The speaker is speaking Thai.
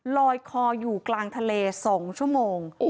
ลอยคออยู่กลางทะเล๒ชั่วโมง